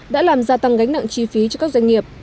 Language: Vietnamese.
đã làm gia tăng gánh nặng chi phí cho các doanh nghiệp